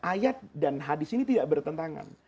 ayat dan hadis ini tidak bertentangan